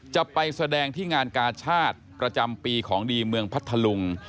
จะไปแสดงที่งานกาชาติประจำปีของดีเมืองพัทธลุง